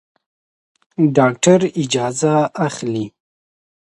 ډاکټر اجازه اخلي.